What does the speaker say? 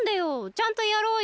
ちゃんとやろうよ。